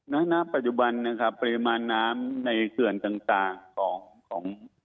ณปัจจุบันนะครับปริมาณน้ำในเขื่อนต่างของของ